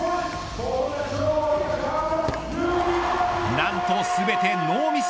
何と全てノーミス。